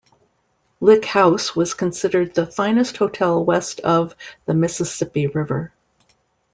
Lick House was considered the finest hotel west of the Mississippi River.